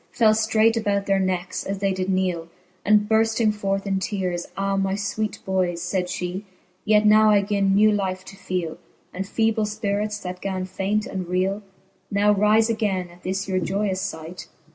Fell ftraight about their neckes, as they did kneele. And burfting forth in teares ; Ah my fweet boyes, Sayd fhe, yet now I gin new life to feele, And feeble fpirits, that gan faint and reele. Now rife againe, at this your joyous fight.